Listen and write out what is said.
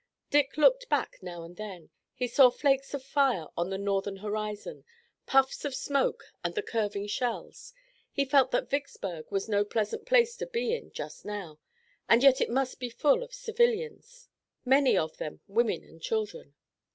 Dick looked back now and then. He saw flakes of fire on the northern horizon, puffs of smoke and the curving shells. He felt that Vicksburg was no pleasant place to be in just now, and yet it must be full of civilians, many of them women and children.